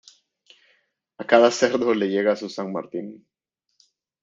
A cada cerdo le llega su San Martín.